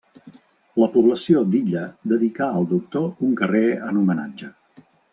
La població d'Illa dedicà al doctor un carrer en homenatge.